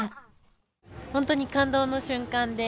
本当に感動の瞬間で。